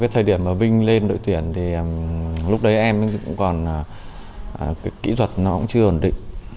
thời điểm mà vinh lên đội tuyển thì lúc đấy em cũng còn kỹ thuật nó cũng chưa ổn định